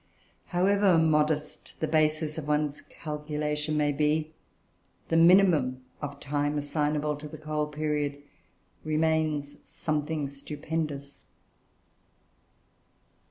However modest the bases of one's calculation may be, the minimum of time assignable to the coal period remains something stupendous.